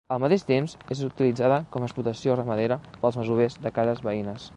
Al mateix temps és utilitzada com a explotació ramadera pels masovers de cases veïnes.